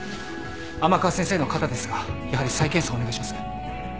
甘春先生の肩ですがやはり再検査をお願いします。